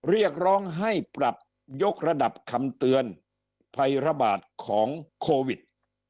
เรียกร้องให้ปรับยกระดับคำเตือนภัยระบาดของโควิด